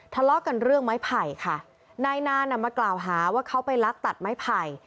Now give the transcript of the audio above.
ทะเลาะกันเรื่องไม้ไผ่ค่ะนายนานอ่ะมากล่าวหาว่าเขาไปลักตัดไม้ไผ่